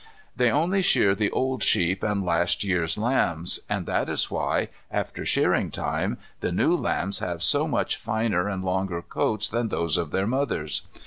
They only shear the old sheep and last year's lambs; and that is why, after shearing time, the new lambs have so much finer and longer coats than those of their mothers.